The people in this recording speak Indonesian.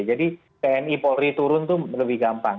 jadi tni polri turun itu lebih gampang